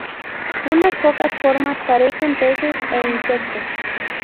Unas pocas formas parecen peces e insectos.